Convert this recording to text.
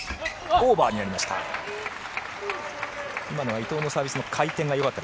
オーバーになりました。